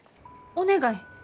お願い。